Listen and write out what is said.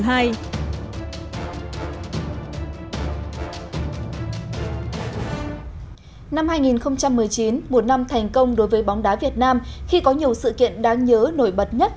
năm hai nghìn một mươi chín một năm thành công đối với bóng đá việt nam khi có nhiều sự kiện đáng nhớ nổi bật nhất